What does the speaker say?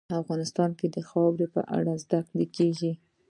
افغانستان کې د خاوره په اړه زده کړه کېږي.